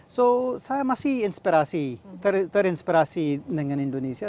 so saya masih inspirasi terinspirasi dengan indonesia